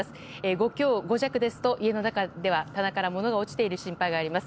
５強、５弱ですと家の中では棚から物が落ちている心配があります。